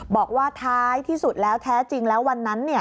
บอกว่าท้ายที่สุดแล้วแท้จริงแล้ววันนั้น